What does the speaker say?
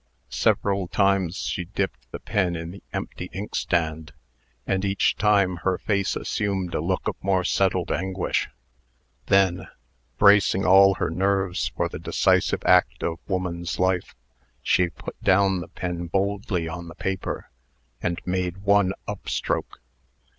Several times she dipped the pen in the empty inkstand, and each time her face assumed a look of more settled anguish. Then, bracing all her nerves for the decisive act of woman's life, she put down the pen boldly on the paper, and made one up stroke.